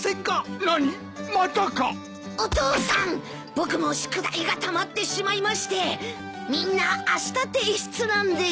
僕も宿題がたまってしまいましてみんなあした提出なんです。